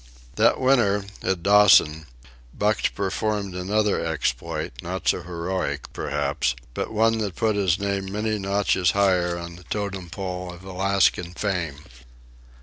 That winter, at Dawson, Buck performed another exploit, not so heroic, perhaps, but one that put his name many notches higher on the totem pole of Alaskan fame.